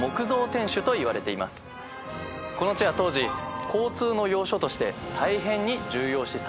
この地は当時交通の要所として大変に重要視される所でした。